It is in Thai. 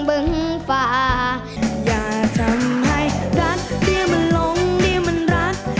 โอ้โหเท่มาก